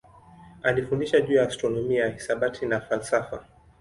Alifundisha juu ya astronomia, hisabati na falsafa.